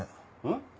ん？